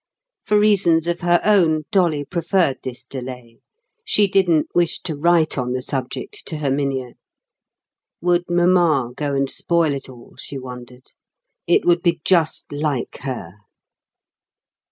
For reasons of her own, Dolly preferred this delay; she didn't wish to write on the subject to Herminia. Would mamma go and spoil it all? she wondered. It would be just like her.